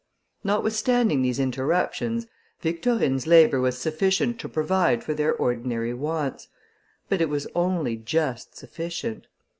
Notwithstanding these interruptions, Victorine's labour was sufficient to provide for their ordinary wants; but it was only just sufficient.